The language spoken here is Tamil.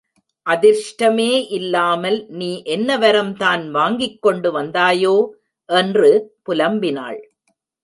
அதிர்ஷ்டமே இல்லாமல் நீ என்ன வரம் தான் வாங்கிக் கொண்டு வந்தாயோ, என்று புலம்பினாள்.